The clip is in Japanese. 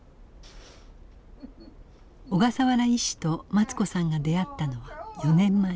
小笠原医師とマツ子さんが出会ったのは４年前。